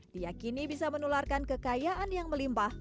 diakini bisa menularkan kekayaan yang melimpah